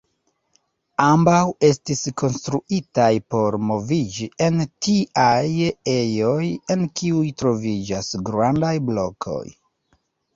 Ambaŭ estis konstruitaj por moviĝi en tiaj ejoj, en kiuj troviĝas grandaj blokoj.